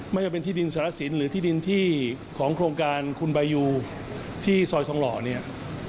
ไม่ว่าจะเป็นที่ดินสารสินหรือที่ดินที่ของโครงการคุณบายูที่ซอยทองหล่อเนี่ย